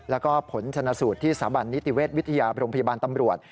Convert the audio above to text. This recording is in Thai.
แล้วก็ผลชนะสูตรที่สถาบันนิติเวชวิทยาโรงพยาบาลตำรวจ